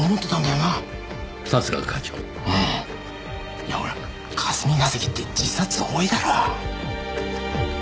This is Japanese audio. いやほら霞が関って自殺多いだろ。